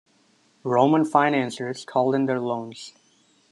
Roman financiers called in their loans.